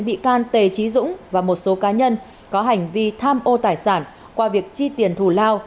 bị can tề trí dũng và một số cá nhân có hành vi tham ô tài sản qua việc chi tiền thù lao